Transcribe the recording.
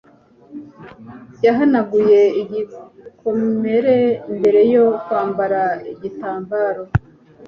yahanaguye igikomere mbere yo kwambara igitambaro